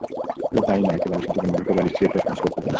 শুধু তা-ই নয়, একটি বালিশের দোকানে ঢুকে বালিশ ছিঁড়ে তছনছ করত বানরটি।